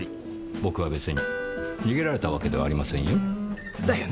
僕は別に逃げられたわけではありませんよ。だよね？